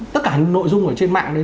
tất cả những nội dung ở trên mạng đấy